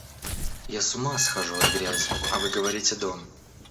Я с ума схожу от грязи, а вы говорите — дом!